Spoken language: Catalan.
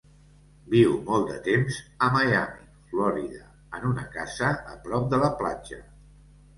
Viu molt de temps a Miami, Florida en una casa a prop de la platja.